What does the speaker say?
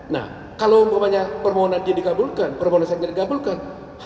nah kalau permohonan dia dikabulkan permohonan sengketa dikabulkan